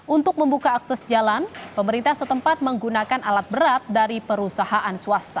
untuk membuka akses jalan pemerintah setempat menggunakan alat berat dari perusahaan swasta